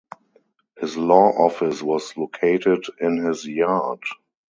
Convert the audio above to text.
His law office was located in his yard.